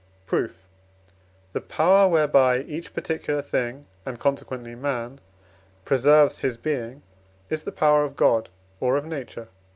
Proof. The power, whereby each particular thing, and consequently man, preserves his being, is the power of God or of Nature (I.